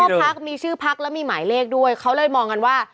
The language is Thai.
พักมีชื่อพักแล้วมีหมายเลขด้วยเขาเลยมองกันว่า